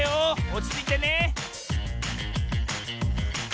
おちついてね